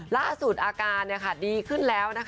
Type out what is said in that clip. ล่าสุดอาการดีขึ้นแล้ว